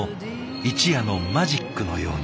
一夜のマジックのように。